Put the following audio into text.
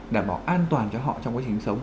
đảm bảo an toàn cho họ trong quá trình sống